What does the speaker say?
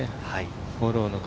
フォローの風。